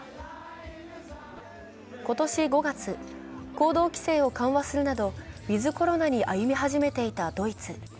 今年５月、行動規制を緩和するなどウィズ・コロナに歩み始めていたドイツ。